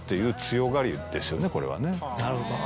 なるほど。